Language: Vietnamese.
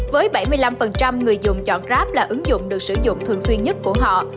với bảy mươi năm người dùng chọn grab là ứng dụng được sử dụng thường xuyên nhất của họ